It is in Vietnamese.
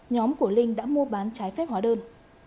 nhóm của linh đã mua bán trái phép hóa đơn